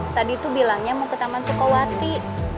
tadi itu bilangnya mau ke taman sukawati